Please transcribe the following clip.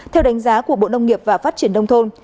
theo đánh giá của bộ nông nghiệp và phát triển nông thôn